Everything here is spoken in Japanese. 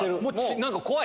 何か怖い！